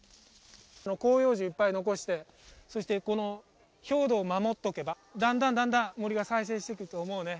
広葉樹いっぱい残してそしてこの表土を守っておけばだんだんだんだん森が再生してくると思うね。